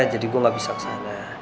gue gak bisa kesana